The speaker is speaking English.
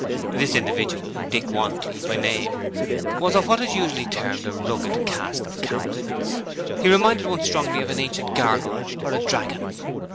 This individual, Dick Wantley by name, was of what is usually termed a 'rugged' cast of countenance. He reminded one strongly of an ancient gargoyle, or a dragon.